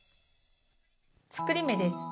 作り目です。